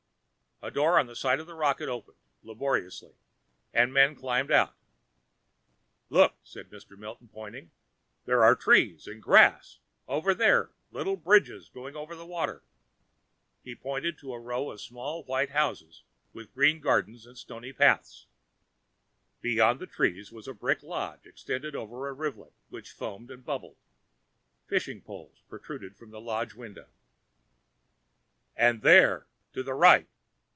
A door in the side of the rocket opened laboriously and men began climbing out: "Look!" said Mr. Milton, pointing. "There are trees and grass and over there, little bridges going over the water." He pointed to a row of small white houses with green gardens and stony paths. Beyond the trees was a brick lodge, extended over a rivulet which foamed and bubbled. Fishing poles protruded from the lodge window. "And there, to the right!"